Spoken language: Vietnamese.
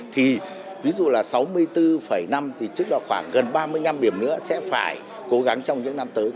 thì ví dụ là sáu mươi bốn năm thì chức là khoảng gần ba mươi năm điểm nữa sẽ phải cố gắng trong những năm tới